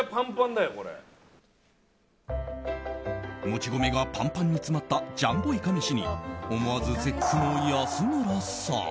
もち米がパンパンに詰まったジャンボいかめしに思わず絶句の安村さん。